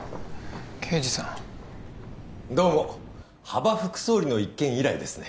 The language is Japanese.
刑事さんどうも羽場副総理の一件以来ですね